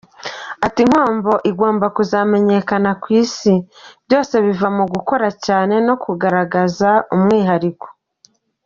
Ati “Nkombo igomba kuzamenyekana ku Isi, byose biva mu gukora cyane no kugaragaza umwihariko.